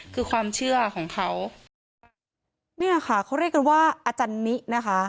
คือความเชื่อของเขาเนี่ยค่ะเขาเรียกกันว่าอาจารย์นินะคะ